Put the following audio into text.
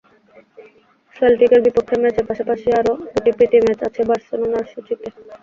সেল্টিকের বিপক্ষে ম্যাচের পাশাপাশি আরও দুটো প্রীতি ম্যাচ আছে বার্সেলোনার সূচিতে।